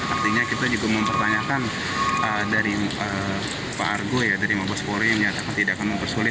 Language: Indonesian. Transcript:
artinya kita juga mempertanyakan dari pak argo dari mabas pori yang nyatakan tidak akan mempersulit